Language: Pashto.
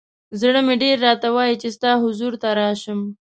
ز ړه مې ډېر راته وایی چې ستا حضور ته راشم.